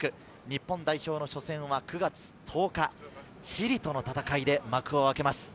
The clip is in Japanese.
日本代表の初戦は９月８日、チリとの戦いで幕を開けます。